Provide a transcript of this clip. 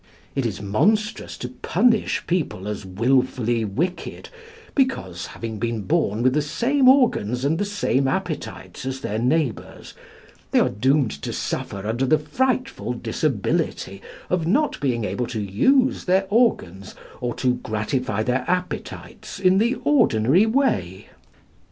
It is monstrous to punish people as wilfully wicked because, having been born with the same organs and the same appetites as their neighbours, they are doomed to suffer under the frightful disability of not being able to use their organs or to gratify their appetites in the ordinary way.